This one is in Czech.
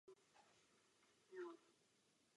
Stojí zde kostel.